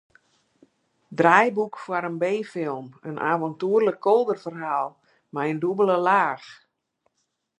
Draaiboek foar in b-film, in aventoerlik kolderferhaal, mei in dûbelde laach.